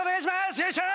よいしょー！